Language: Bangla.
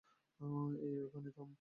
এই, ওখানেই থাম!